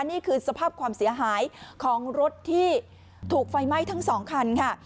นี่คือสภาพความเสียหายของรถที่ถูกไฟไหม้ทั้งสองคันค่ะ